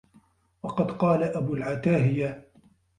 وَقَدْ قَالَ أَبُو الْعَتَاهِيَةِ